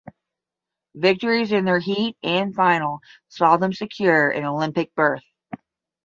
Victories in their heat and final saw them secure an Olympic berth.